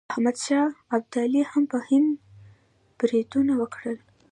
احمد شاه ابدالي هم په هند بریدونه وکړل.